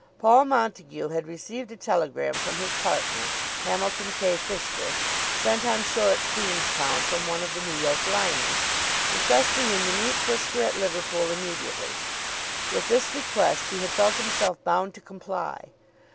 Paul Montague had received a telegram from his partner, Hamilton K. Fisker, sent on shore at Queenstown from one of the New York liners, requesting him to meet Fisker at Liverpool immediately. With this request he had felt himself bound to comply.